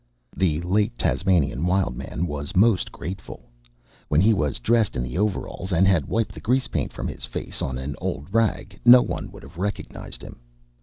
The late Tasmanian Wild Man was most grateful. When he was dressed in the overalls and had wiped the grease paint from his face on an old rag, no one would have recognized him.